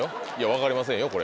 分かりませんよこれ。